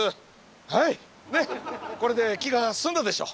ねっこれで気が済んだでしょ？